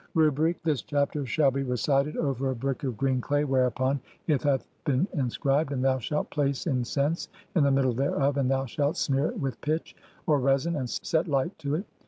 Rubric : [this chapter] shall be recited over a brick of green CLAY WHEREUPON IT HATH BEEN INSCRIBED ; AND THOU SHALT PLACE IN CENSE (?) IN THE MIDDLE THEREOF, (48) AND THOU SHALT SMEAR IT WITH PITCH (OR RESIN) AND SET LIGHT TO IT.